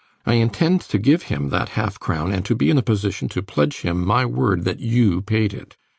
I intend to give him that half crown and to be in a position to pledge him my word that you paid it.